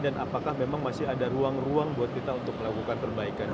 dan apakah memang masih ada ruang ruang buat kita untuk melakukan perbaikan